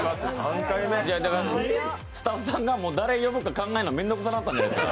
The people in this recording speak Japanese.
スタッフさんが誰呼ぶか考えるの面倒くさがったんじゃないですかね。